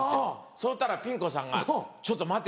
そしたらピン子さんが「ちょっと待て。